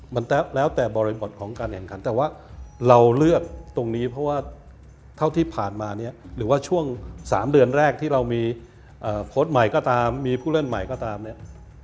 มันแล้วแต่บริบทของการแข่งขันแต่ว่าเราเลือกตรงนี้เพราะว่าเท่าที่ผ่านมาเนี่ยหรือว่าช่วง๓เดือนแรกที่เรามีโค้ดใหม่ก็ตามมีผู้เล่นใหม่ก็ตามเนี่ย